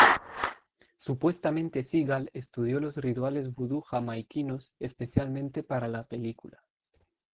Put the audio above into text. Supuestamente Seagal estudió los rituales vudú jamaiquinos especialmente para la película.